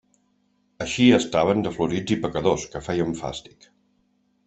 Així estaven de florits i pecadors, que feien fàstic.